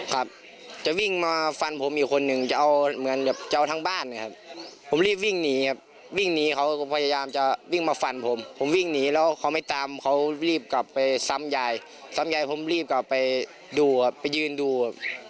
ครับจะวิ่งมาฟันผมอีกคนนึงจะเอาเหมือนแบบจะเอาทั้งบ้านนะครับผมรีบวิ่งหนีครับวิ่งหนีเขาก็พยายามจะวิ่งมาฟันผมผมวิ่งหนีแล้วเขาไม่ตามเขารีบกลับไปซ้ำยายซ้ำยายผมรีบกลับไปดูครับไปยืนดูครับ